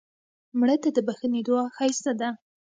مړه ته د بښنې دعا ښایسته ده